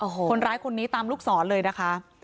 โอ้โหคนร้ายคนนี้ตามลูกศรเลยนะคะ